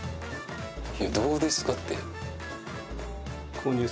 いやどうですかって。